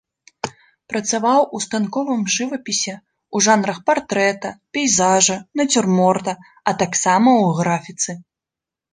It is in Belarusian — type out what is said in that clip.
Працаваў у станковым жывапісе ў жанрах партрэта, пейзажа, нацюрморта, а таксама ў графіцы.